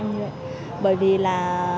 em như vậy bởi vì là